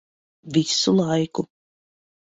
Visu laiku.